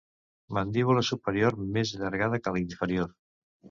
Mandíbula superior més allargada que la inferior.